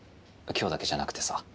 今日だけじゃなくてさ。